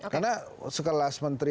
karena sekelas menteri